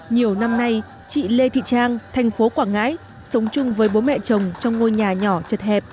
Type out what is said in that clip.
nhiều năm nay chị lê thị trang thành phố quảng ngãi sống chung với bố mẹ chồng trong ngôi nhà nhỏ chật hẹp